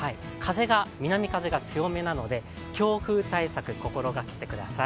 南風が強めなので、強風対策、心がけてください。